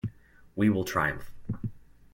We will triumph.